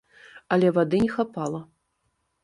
Але вады не хапала.